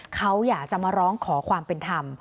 เขาอยากจะมาร้องขอความเป็นธรรม